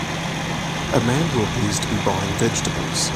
A man who appears to be buying vegetables.